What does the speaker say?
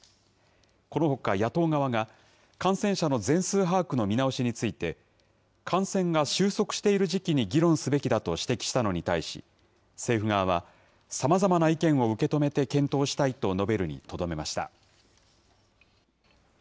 このほか野党側が、感染者の全数把握の見直しについて、感染が収束している時期に議論すべきだと指摘したのに対し、政府側は、さまざまな意見を受け止めて検討したいと述べるにとどめました。